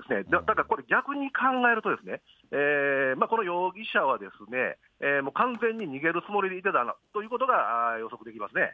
だから、これ逆に考えると、この容疑者は、完全に逃げるつもりでいてたということが予測できますね。